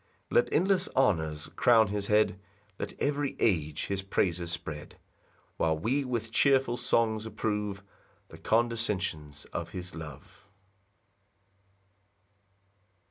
6 Let endless honours crown his head; Let every age his praises spread; While we with cheerful songs approve The condescensions of his love.